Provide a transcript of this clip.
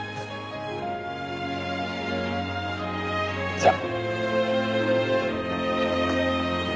じゃあ。